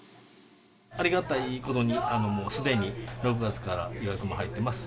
ありがたいことに、もうすでに６月から予約も入ってます。